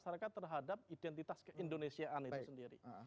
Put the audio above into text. masyarakat terhadap identitas keindonesiaan itu sendiri